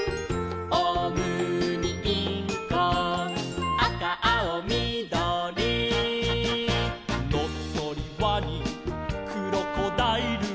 「オウムにインコあかあおみどり」「のっそりワニクロコダイル」